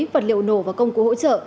vật liệu nổ và công cụ hỗ trợ